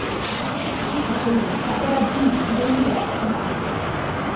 Questa colletta è raggiungibile in diversi modi.